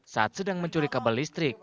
saat sedang mencuri kabel listrik